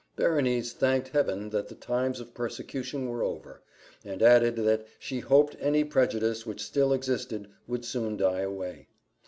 Berenice thanked Heaven that the times of persecution were over; and added, that she hoped any prejudice which still existed would soon die away.